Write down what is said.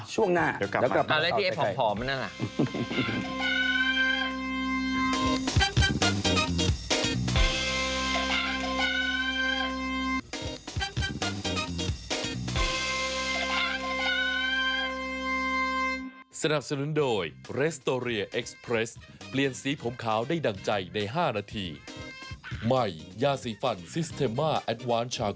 ช่วงหน้าแล้วกลับมาต่อไปไกลอ๋อแล้วที่ไอ้ผอมมันนั่นล่ะ